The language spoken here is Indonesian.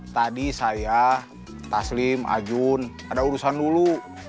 tadi saya taslim ajun ada urusan dulu